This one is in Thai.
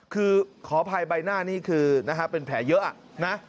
คือขออภัยใบหน้านี่คือนะฮะเป็นแผลเยอะนะ